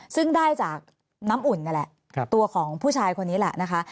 ซึ่งได้จากน้ำอุ่นนั่นแหละตัวของผู้ชายคนนี้แหละนะคะ